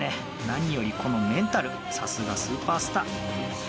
何よりこのメンタルさすがスーパースター。